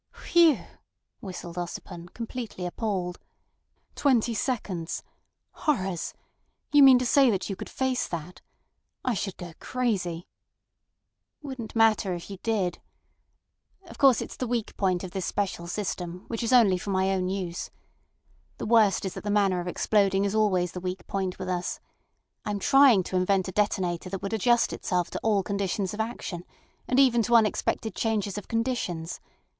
"Phew!" whistled Ossipon, completely appalled. "Twenty seconds! Horrors! You mean to say that you could face that? I should go crazy—" "Wouldn't matter if you did. Of course, it's the weak point of this special system, which is only for my own use. The worst is that the manner of exploding is always the weak point with us. I am trying to invent a detonator that would adjust itself to all conditions of action, and even to unexpected changes of conditions.